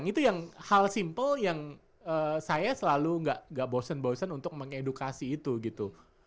itu yang hal simple yang saya selalu nggak bosen bosen untuk mengedukasi itu gitu